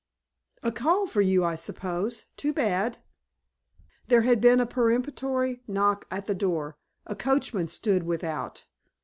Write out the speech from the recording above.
"A call for you, I suppose. Too bad." There had been a peremptory knock on the door. A coachman stood without.